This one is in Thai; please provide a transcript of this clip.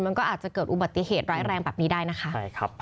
มันก็อาจจะเกิดอุบัติเหตุร้ายแรงแบบนี้ได้นะคะ